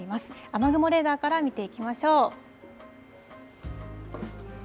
雨雲レーダーから見ていきましょう。